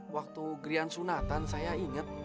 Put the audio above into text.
waktu gerian sunatan saya inget